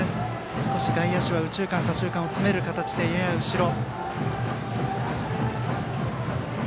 外野手は右中間、左中間を詰める形でやや後ろ。